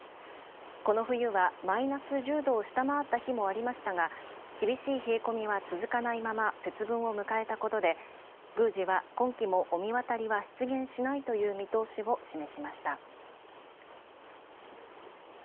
この冬はマイナス１０度を下回った日もありましたが厳しい冷え込みは続かないまま節分を迎えたことで、宮司は今季も御神渡りは出現しないという見通しを示しました。